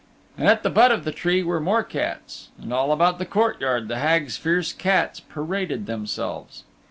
And at the butt of the tree there were more cats. And all about the courtyard the Hags' fierce cats paraded themselves.